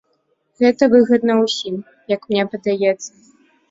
Гэта выгадна ўсім, як мне падаецца.